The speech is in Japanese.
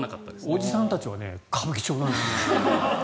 おじさんたちは歌舞伎町なんだよね。